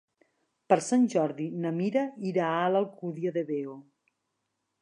Per Sant Jordi na Mira irà a l'Alcúdia de Veo.